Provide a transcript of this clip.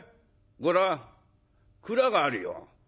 「ご覧蔵があるよ。